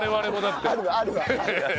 あるわ。